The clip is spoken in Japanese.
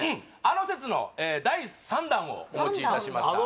あの説の第３弾をお持ちいたしました